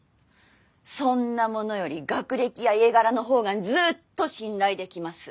そんなものより学歴や家柄の方がずっと信頼できます。